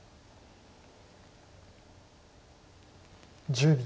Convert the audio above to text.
１０秒。